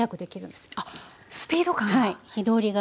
あっスピード感が。